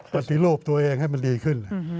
ปฏิรูปตัวเองให้มันดีขึ้น